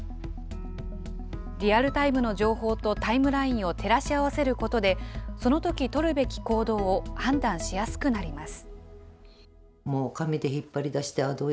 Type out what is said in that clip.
リアルタイムの情報とタイムラインを照らし合わせることで、そのとき取るべき行動を判断しやすくなります。